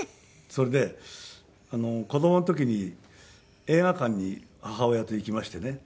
それで子供の時に映画館に母親と行きましてね。